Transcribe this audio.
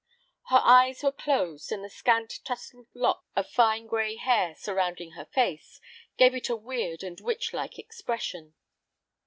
Her eyes were closed and the scant, tousled locks of fine gray hair surrounding her face gave it a weird and witch like expression.